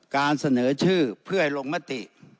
การเสนอชื่อเพื่อให้ลงมติ